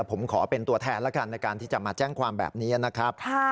ผมขอเป็นตัวแทนแล้วกันในการที่จะมาแจ้งความแบบนี้นะครับ